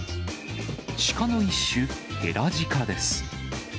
鹿の一種、ヘラジカです。